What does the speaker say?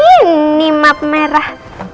ini map merah